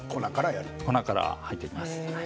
粉から入っています。